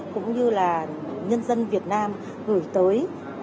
cũng như là nhân dân việt nam gửi tới